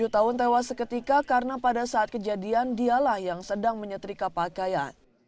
tujuh tahun tewas seketika karena pada saat kejadian dialah yang sedang menyetrika pakaian